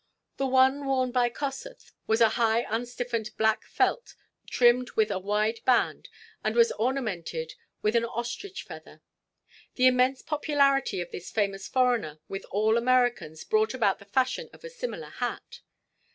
The one worn by Kossuth was a high unstiffened black felt trimmed with a wide band, and was ornamented with an ostrich feather. The immense popularity of this famous foreigner with all Americans brought about the fashion of a similar hat.